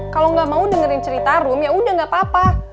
kalo gak mau dengerin cerita rum ya udah gak apa apa